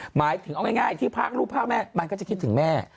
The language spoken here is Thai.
หมายถึงเอาง่ายที่พากรูปภาคแม่มันก็จะคิดถึงแม่